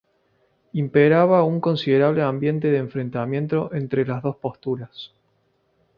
Imperaba un considerable ambiente de enfrentamiento entre las dos posturas.